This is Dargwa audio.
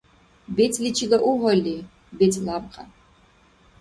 БецӀличила угьалли, бецӀ лябкьян.